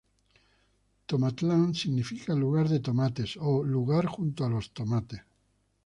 Tomatlán significa: ""lugar de tomates"" o ""lugar junto a los tomates"".